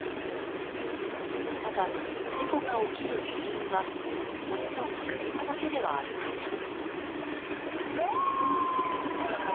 ただ、事故が起きる原因はもちろん車だけではありません。